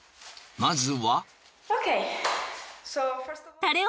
まずは。